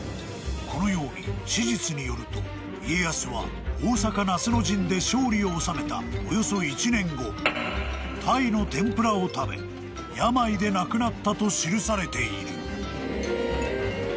［このように史実によると家康は大坂夏の陣で勝利を収めたおよそ１年後鯛の天ぷらを食べ病で亡くなったと記されている］